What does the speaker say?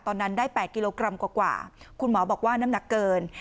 ตอนนั้นได้๘กิโลกรัมกว่าคุณหมอบอกว่าน้ำหนักเกิน